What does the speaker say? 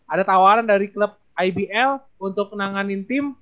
ada tawaran dari klub ibl untuk menanganin tim